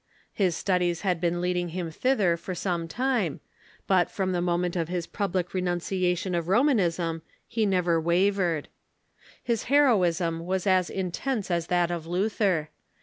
His studies had been lead ing him thither for some time, but from the moment of his public renunciation of Romanism he never wavered. His her oism was as intense as that of Luther.